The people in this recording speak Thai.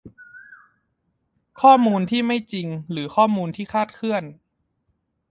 ข้อมูลที่ไม่จริงหรือข้อมูลที่คลาดเคลื่อน